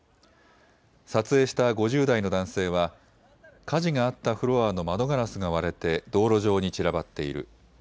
撮影した５０代の男性は火事があったフロアの窓ガラスが割れて道路上に散らばっている。